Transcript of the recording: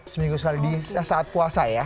seminggu sekali di saat puasa ya